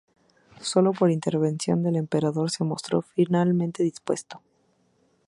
Solo por intervención del emperador se mostró finalmente dispuesto.